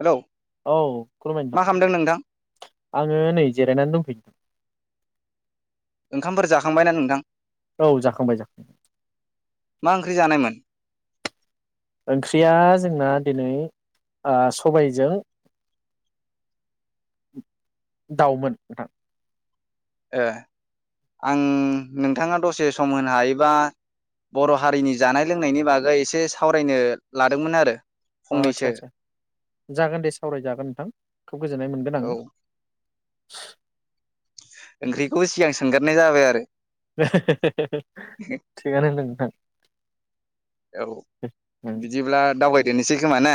Hello औ खुलुमबाय मा खालामदों नोंथां आङो नै जिरायनानै दंथयो। ओंखामफोर जाखांबायना नोंथां औ जाखांबाय मा ओंख्रि जानायमोन ओंख्रिया जोंना दिनै सबायजों दाउमोन नोंथां ए आं नोंथाङा दसे सम होनो हायोबा बर' हारिनि जानाय लोंनायनि बागै एसे सावरायनो लादोंमोन आरो अ आतचा फंनैसो आतचा जागोन दे सावरायजागोन नोंथां खोब गोजोननाय मोनगोन औ आङो [unintelligible] ओंख्रिखौबो सिगां सोंगारनाय जाबाय आरो थिगानो होनदों नों थां औ उम बिदिब्ला दावबाय दोननोसै खोमा ना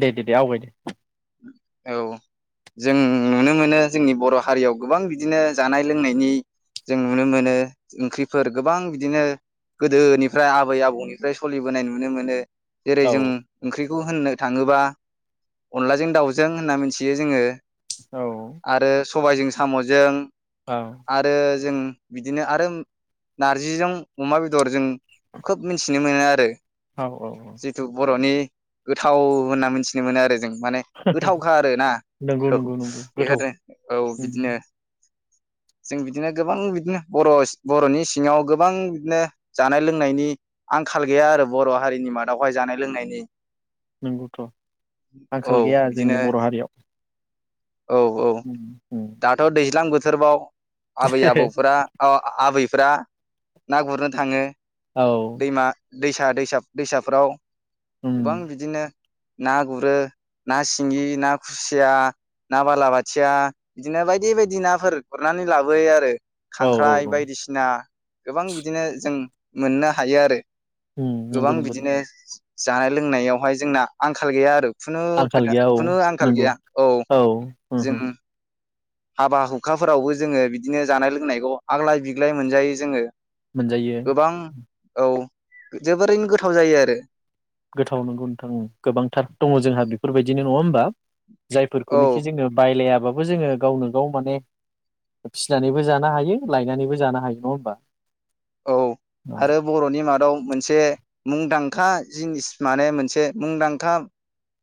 दे दे दे आवगाय दे औ जों नुनो मोनो जोंनि बर' हारियाव गोबां बिदिनो जानाय लोंनायनि जों नुनो मोनो ओंख्रिफोर गोबां बिदिनो गोदोनिफ्राय आबै आबौनि जाय सोलिबोनाय नुनो मोनो जेरै औ जों ओंख्रि बेखौ होननो थाङोब्ला अनला औ सबायजों साम'जों आरो जों बिदिनो आरो नारजिजों अमा बेदरजों खोब मि नुनो मोनो आरो औ औ औ जिथु बर'नि गोथाव होनना मिथिनो मोनो आरो जों माने गोथावखा आरो ना नंगौ औ नंगौ नंगौ गोथाव बेफोरनो औ उम बिदिनो जों बिदिनो गोबां बिदिनो बर' बर'नि सिङाव गोबां बिदिनो जानाय लोंनायनि आंखाल गैया आरो बर' हारिनि मादावहाय जानाय लोंनायनि नंगौथ' औ आंखाल गैया बिदिनो जोंनि बर' हारियाव औ औ उम उम दाथ' दैज्लां बोथोर सोरबाव आबै आबौफोरा आबै फ्रा ना गुरनो थाङो औ दैमा दैसा दैसा दैसाफ्राव उम गोबां बिदिनो ना गुरो ना सिंगि ना खुसिया ना बालाबाथिया बिदिनो बायदि बायदि नाफोर गुरनानै लाबोयो आरो औ औ खांख्राइ औ बायदिसिना गोबां बिदिनो जों मोनोना हायो आरो उम नंगौ गोबां नंगौ बिदिनो जानाय लोंनायावहाय जोंना आंखाल गैया आरो खुनु आंखाल खोथा गैया औ खुनु आंखाल नंगौ गैया औ जों हाबा हुखाफोरावबो जोंङो बिदिनो जानाय लोंनायखौ आग्लाय बिग्लाय मोनजायो जोंङो मोनजायो गोबां औ जोबोरैनो गोथाव जायो आरो गोथाव नगौथां गोबांथार दङ जोंहा बेफोरबायदिनो नङा होमबा औ जायफोरखौनोखि जोंङो बायलायाबा बो जोंङो गावनो गाव माने फिसिनानैबो जानो हायो लायनानैबो जानो हायो नङा होमबा औ आरो बरनि मादाव मोनसे मुंदांखा जिनिस माने मोनसे मुंदांखा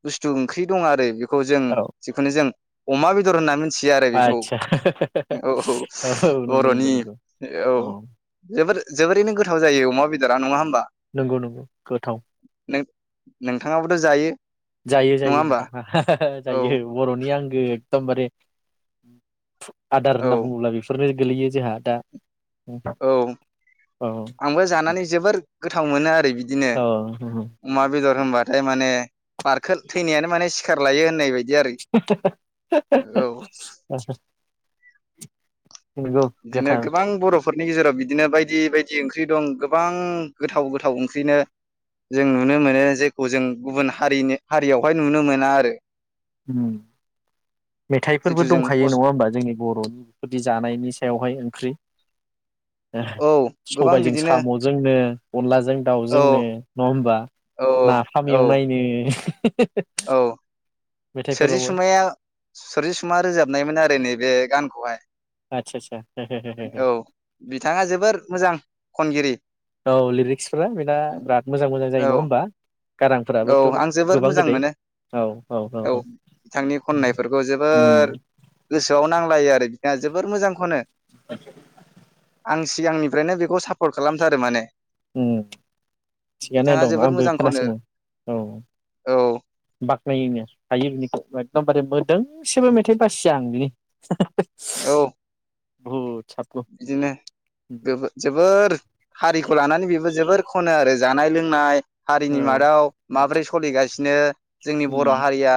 बुस्थु ओंख्रि दं आरो बे खौ जों जिखुनु जों अमा बेदर होनना मि आदसा औ नंगौ नंगौ बर'नि नंगौ औ जोबोर जोबोरैनो गोथाव जायो अमा बेदा नंङा होमबा नंगौ नंगौ गोथाव नों नोंथाङाबोथ जायो जायो नङा जायो होमबा नोंथाङा औ जायो बरनि आं एकतम बारे आदार होनना औ बुंङोब्ला बेफोरनो गोलैयो जोंहा दा औ औ आंबो जानानै जोबोर गोथाव मोनो आरो बि दिनो औ अमा बेदर होमबाथाय माने बारखो थैनायानो माने सिखार लायो होननाय बायदि आरो औ [unintelligible] [unintelligible] बिदिनो गोथां गोबां बरफोरनि गेजेराव बि दिनो बायदि बायदि ओंख्रि दं गोबां गोथाव गोथाव ओंख्रिनो जों नुनो मोनो जेखौ जों गुबुन हारिनि हारियावहाय नुनो मोना आरो उम जिथु मेथाइफोरबो जों दंखायो नङा होमबा जोंनि बर'नि बेफोरदि जानायनि सायावहाय ओंख्रि औ गोबां सबायजों बिदिनो साम'जोंनो अनलाजों औ दाउजोंनो नङा होमबा नाफाम औ एवनायनो [unintelligible] औ मेथाइफोरावबो सोरजिसुमाया सोरजिसुमा रोजाबनायमोन आरो नैबे गान खहाय आचसा आचसा बिथाङा जोबोर मोजां खनगिरि औ लिरिक्सफोरा बेना बिराद मोजां मोजां जायो औ नङा होमबा औ गारांफोराबोथ' आं जोबोर गोबां मोजां गोदै मोनो औ बिथांनि खननायफोरखौ उम जोबोर गोसोआव नांलायो आरो जोबोर मोजांखौनो [unintelligible] आं सिगांनिफ्रायनो बेखौ साफ सापर्ट खालामथारो माने उम थिगानो बिथाङा दं जोबोद आंबो मोजां खनो खोनासङो औ औ बाख्नायोनो हायो बिनिखौ एकदमबारे बोर दोंसेबो मेथाइ बासिया आं बिनि औ बुहुट बिदिनो जोबो जोबोर हारिखौ लानानै बेबो जोबोर खनो आरो जानाय लोंनाय हारिनि औ मादाव माबोरै सोलिगासिनो जोंनि उम बर हारिया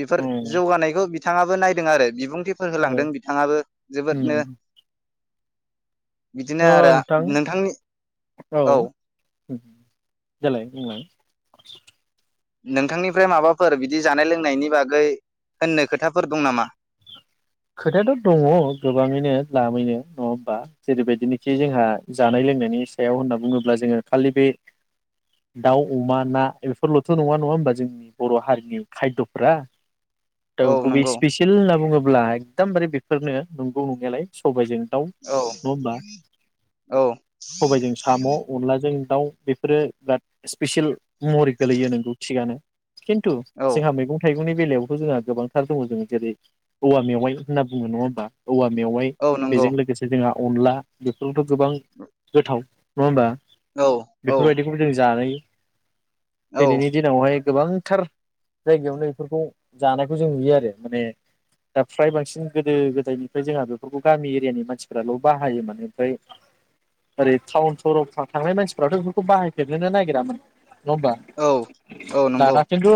बेफोर उम जौगानायखौ बिथाङाबो नायदों आरो बिबुं फोर होलांदों औ बिथाङाबो जोबोदनो उम बिदिनो अ आरोआ नोंथां नोंथांनि औ देलाय बुंलाय नोंथांनिफ्राय माबाफोर बिदि जानाय लोंनायनि बागै होननो खोथाफोर दं नामा? खोथायाथ दङ गोबाङैनो लालामैनो नङा होमबा जेरैबायदिनोखि जोंहा जानाय लोंनाय नायनिनाय सायाव होनना बुङोब्ला जोङो खालि बे दाउ अमा ना बेफोरलथ नङा नङा होमबा जोंनि बर हारिनि खायदफोरा औ गुबै स्पिसियेल होनना बुङो ब्ला एकदमबारे बेफोरनो नंगौ नंनायालाय सबायजों दाउ औ नङा होमब्ला औ सबायजों साम अनलाजों दावउ बेफोरो बिराद स्पेसियेल महरि गोलैयो नोंगौ थिगानो। खिन्थु औ जोंहा मैगं थाइगंनि। बेलायावथ' जोंहा गोबांथार दङ जोङो जेरै-औवा मेवाइ। होनना बुङो नङा होमबा। औवा मेवाइ औ नंगौ बेजों लोगोसे जोंहा। अनला बेफोरथ' गोबां गोथाव नङा होमबा? औ औ बेफोरबायदिखौबो जों जानाय। औ दिनैनि दिनावहाय। गोबांथार जायगायावनो बेफोरखौ जानायखौ जों नुयो आरो माने दा फ्राय बांसिन। सिन गोदो गोदायनिफ्राय जोंहा बेफोरखौ गामि एरियानि मानसिफोराल' बाहायोमोन ओमफ्राय ओरै टाउन सहराव था थांनाय मानसिफोराथ' बेफोरखौ बाहायफेरनोनो नागिरामोन। नङा होमबा? औ औ नंगौ दाना खिन्तु।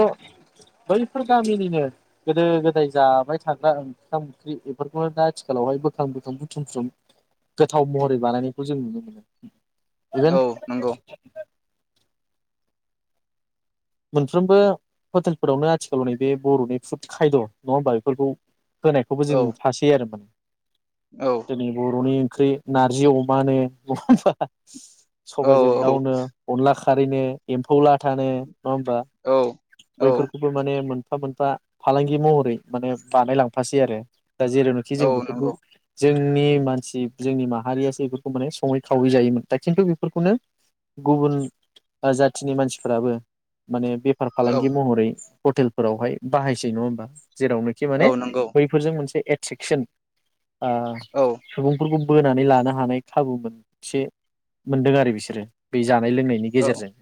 बैफोर गामिनिनो गोदो गोदाय जाबाय थाग्रा। ओंखाम ओंख्रि बेफोरखौनो दा आथिखालावहाय बोखां-बोखां बुथुम-बुथुम गोथाव महरै बानायनायखौ जों नुनो मोनो। इभेन औ नंगौ। मोनफ्रोमबो हटेलफोरावनो आथिखालाव नैबे बर'नि फुड खायद' नङा होमबा बेफोरखौ। होनायखौबो जों औ नुफासै आरो माने। औ दोनै बर'नि। ओंख्रि नारजि अमानो नङा होमबा? सबायाइजों औ दावनो अनला खा। खारैनो एम्फौ लाथानो। नङा होमबा? औ औ बैफोरखौबो माने मोन। मोनफा-मोनफा फालांगि महरै माने बानायलांफासै आरो। दा जेरावनोखि औ जों बेफोरखौ। नंगौ जोंनि मानसि जोंनि माहारियासो बेफोरखौ माने सङै-खावै जायोमोन। दा खिन्थु बेफोरखौनो गुबुन ओ जाथिनि मानसिफ्राबो। माने बेफार औ फालांगि महरै। हटेलफोरावहाय बाहायसै नङा होमबा? जेरावनोखि माने औ नंगौ बैफोरजों मोनसे एद। सिकसोन। आ औ सुबुंफोरखौ। बोनानै लानो हानाय खाबु मोनसे मोनदों आरो बिसोरो बेज। जानाय लोंनायनि औ गेजेरजों।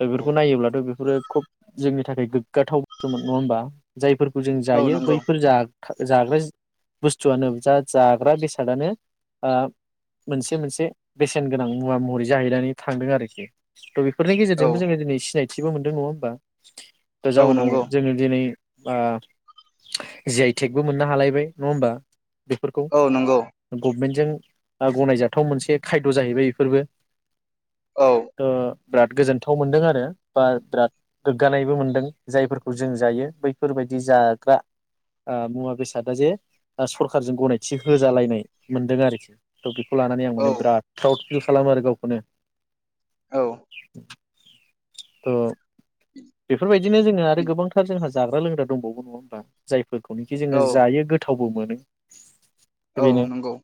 दा बेफोरखौ नायोब्लाथ' बे। फोरो खुब जोंनि थाखाय गोग्गाथाव बाथ्रामोन नङा होमबा जायफोर। जों औ जायो नंगौ बैफोर जा जाग्रा बुस्थुआनो जा जाग्रा बेसादानो आ मोनसे मोनसे बेसेन गोनां मुवा महरै जाहैनानै थांदों आरोखि थ' बेफोरनि औ जोंबो दिनै सिनाय थिबो मोनदों नङा होमबा? औ नंगौ जाउनाव जोंङो दिनै जि आइ टेकबो मोननो हालायबाय नंङा होमबा? बेफोरखौ औ नंगौ गब मेन्टजों ओ गनायजाथाव मोनसे खायद' जाहैबाय बेफोरबो। औ ओ बिराद गोजोन गोथाव मोनदों आरो बा बिराद गोग्गानायबो मोनदों जायफोरखौ जों जायो बैफोरबायदि जाग्रा ओ मुवा बेसादा जे ओ सरखारारजों गनायथि होजालायनाय मोनदों आरोखि थ' बेखौ लानानै आं माने औ बिराद फ्राउड फिल खालामो आरो गावखौनो। औ [inaudible] ओ बेफोरबाय दिनो जोंहा आरो गोबांथार जोंहा जाग्रा-लोंग्रा दंबावो नंङा होमबा जाय फोरखौनोखि जोंङो औ जायो गोथा थावबो मोनो। औ बेनो नंगौ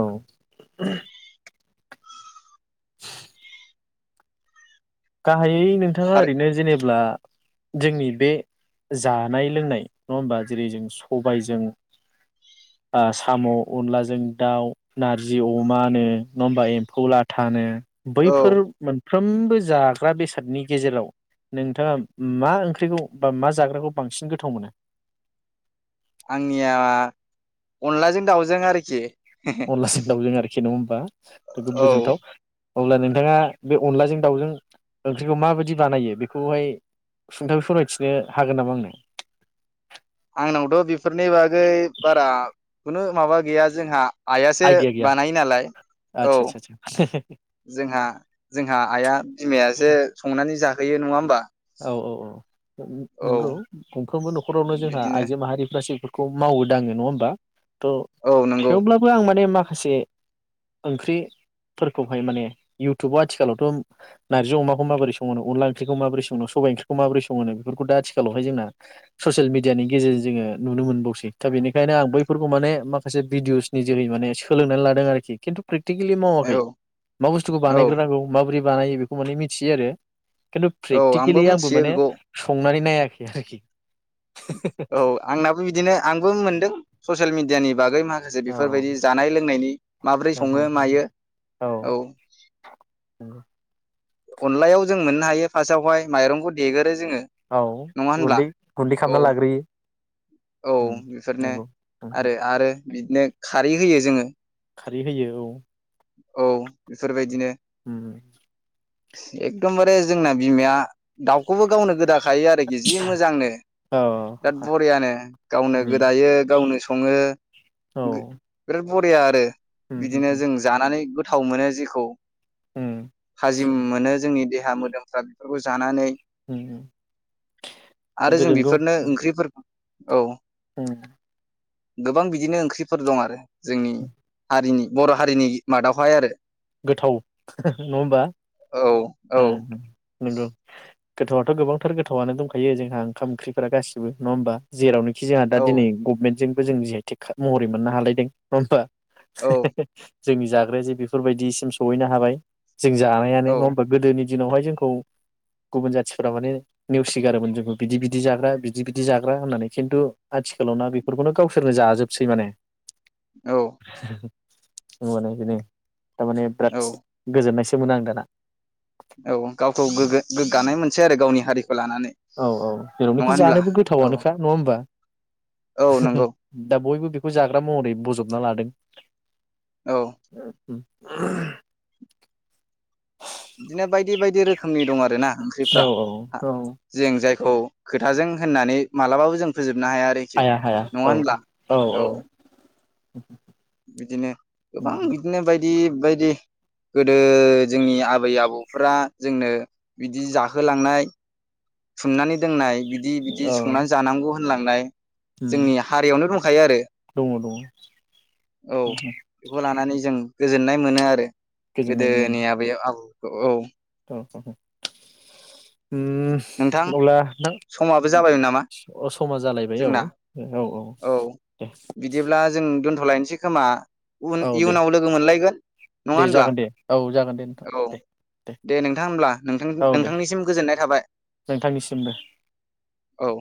औ। [inaudible] [inaudible] गाहायै नोंथांआ थारै ओरैनो जेनेबब्ला जोंनि बे जानाय लोंनाय नंङा होमबा जेरै जों सबायजों ओ साम' अनलाजों दाउ नारजि अमानो नंङा हबा एम्फौ लाथानो औ बैफोर मोन साफ्रोमबो जााग ग्रा बेसादनि गेजेराव नोंथांआ मा ओंख्रिखौ बा मा जाग्राखौ बांसिन गोथाव मोना? आंनिया अनलाजों दाउजों आरोखि अनलाजों दावजों आरोखि नंङा होम बा? जोबोद औ गोजोनथाव। अब्ला नोंथांआ बे अनलाजों दाउजों ओंख्रिखौ माबायदि बानायो बेखौहाय सुंथाबै फोरमायथिनो हागोन नामा आंनो? आंनावथ' बेफोरनि बागै बारा खुनु माबा गैया जोंहा आइयासो आइदिया गैया बानायो नालाय औ। आदसा आदसा आदसा जोंहा जोंहा आइया बिमायासो संनानै जाहोयो नंङा होमबा? औ औ औ औ नोंगौ गंफ्रोमबो न न'खरावनो जोंहा बिदिनो आइजो माहारि गासैफोरखौ मावो दाडो़ नङा होमबा थ' औ नंगौ थेवब्लाबो आं माने माखा खासे ओंख्रिफोरखौहाय माने युउटुबाव आथिखालावथ' नारजि अमाखौ माबोरै सङो अनला ओंख्रिखौ माबोरै संङो उनाव सबाय ओंख्रिखौ माबोरै संहो बेफोरखौ दा आथिखालावहाय जोंना ससियेल मिडियानि गेजेरजों जोङो नुनो मोनबावसै दा बेनिखायनो आं बैफोरखौ माने माखासे भिडिअसनि जोहै माने सोलोंनानै लादों आरोखि खिन्थु फ्रेक्थिकेलि मावाखै औ मा बुस्थुखौ औ बानायग्रोनांगौ माबोरै बानायो बेखौ माने मिथियो आरो औ खिन्थु प्रेटिकेलि आंबो मिथियो माने बेखौ संनानै नायाखै आरोखि औ आंनाबो बिदिनो आंबो मोनदों ससियेल मिडियानि बागै माखासे औ बेफोरबायदि जानाय लोंनायनि माब्रै सङो मायो औ नोंगौ अनलायाव जों मोननो हायो फार्स्टआवहाय माइरंखौ देगोन औ गुन्दै गुन्दै औ खालामना लाग्रोयो औ बेफोरनो नंगौ आरो आरो बिदिनो खारै होयो जोङो खारै होयो औ औ बेफोरबायदिनो उम एकदमबारे जोंना बिमाया दाउखौबो गावनो गोदाखायो आरोखि जि मोजांनो औ बिराद बरियानो गावनो उम गोदायो गावनो सङो औ बिराद बरिया आरो उम बिदिनो उम जोङो माने गोथाव मोनो जेखौ उम थाजिम मोनो जोंनि देहा मोदोमफ्रा बेफोरखौ जानानै उम आरो जों बेफोरनो ओंख्रि औ हम गोबां बिदिनो ओंख्रिफोर दं आरो जोंनि हारिनि बर' हारिनि मादावहाय आरो गोथाव नंङा होमबा औ औ नंगौ गोथावाथ गोबांथार गोथावानो दंखायो जोंहा ओंखाम ओंख्रिफोरा गासिबो नङा होमबा जेरावनो खि जोंहा दा औ दिनै गभमेन्टजों जों जि आइ टेक खा महरै मोननो हालायदों नंङा होमबा [unintelligible] औ जोंनि जाग्राया जे बे फोरबायदिसिम सहैनो हाबाय जों जानायानो औ नंङा होमबा गोदोनि दिनावहाय जोंखौ गुबुन जाथिफोरा माने नेवसिगारोमोन जोंखौ बिदि बिदि जाग्रा बिदि बिदि जाग्रा होननानै खिन्थु आथिखालाव ना बेफोरखौनो गावसोरनो जाजोबसै माने। औ [unintelligible] औ माने बेनो थारमाने औ बिरादस गोजोननायसो मोनो आं दाना औ गावखौ गोगो गोग्गानाय मोन सै आरो गावनि हारि औ औ जेरावनोखि जानोबो औ गोथावानोखा नंंङा होमबा औ नंगौ दा बयबो बे खौ जाग्रा महरै बजबना लादों। [inaudible] [inaudible] औ बिदिनो बायदि बायदि रोखोमनि दं आ रोना ओंख्रिफ्रा औ औ औ जों जाय औ खोथाजों होननानै मालाबाबो जों फोजोब हाया हाया औ औ औ बिदिनो दङ गोबां बिदिनो बाय दि बायदि गोदो जोंनि आबै आबौफोरा जोंनो बिदि जाहोलांनाय सुमनानै दोननाय बिदि बिदि संनानै जानांगौ होनलांनाय जोंनि हारियावनो दंखायो आरो दङ औ बेखौ लानानै जों गोजोननाय मोनो आरो गोजोननाय गोदोनि आबैयाव आबौ औ [inaudible] ओम नोंथां अब्ला नोंथां समाबो जाबायमोन नामा अ समा जालायबाय जोंना औ औ। औ दे बिदिब्ला जों दोन थ'लायनोसै खोमा? उन औ दे इयुनाव लोगो मोनलायगोन नङा दे होनब्ला जागोन दे औ जागोन दे नोंथां औ दे दे नोंथां होनब्ला औ दे नोंथां-नोंथांनिसिम गोजोननाय थाबाय नोंथांनिसिमबो दे औ।